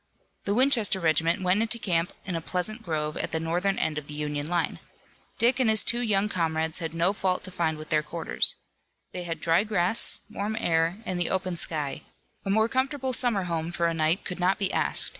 The Winchester regiment went into camp in a pleasant grove at the northern end of the Union line. Dick and his two young comrades had no fault to find with their quarters. They had dry grass, warm air and the open sky. A more comfortable summer home for a night could not be asked.